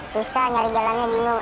susah nyari jalannya bingung